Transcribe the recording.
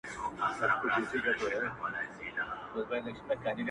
• زما د ټوله ژوند تعبیر را سره خاندي,